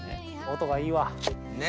音がいいわ。ね！